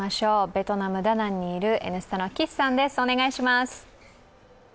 ベトナム・ダナンにいる「Ｎスタ」の岸さんです。